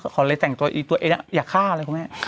ขอเลยแต่งตัวเองนะอย่าฆ่าเลยครับแม่